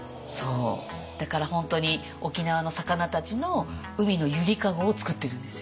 だから本当に沖縄の魚たちの海の揺りかごを作ってるんですよ。